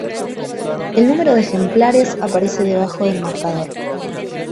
El número de ejemplares aparece debajo del marcador.